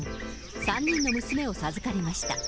３人の娘を授かりました。